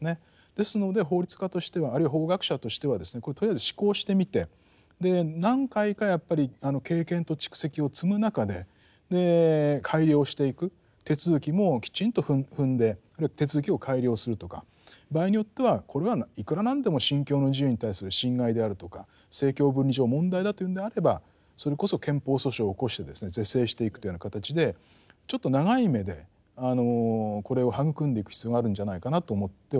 ですので法律家としてはあるいは法学者としてはですねこれとりあえず試行してみて何回かやっぱり経験と蓄積を積む中で改良していく手続きもきちんと踏んであるいは手続きを改良するとか場合によってはこれはいくらなんでも信教の自由に対する侵害であるとか政教分離上問題だというんであればそれこそ憲法訴訟を起こしてですね是正していくというような形でちょっと長い目でこれを育んでいく必要があるんじゃないかなと思っております。